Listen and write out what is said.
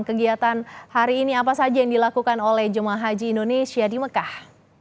kegiatan hari ini apa saja yang dilakukan oleh jemaah haji indonesia di mekah